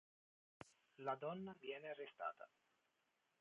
La donna viene arrestata.